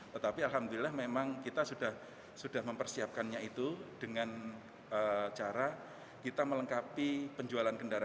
tetapi alhamdulillah memang kita sudah mempersiapkannya itu dengan cara kita melengkapi penjualan kendaraan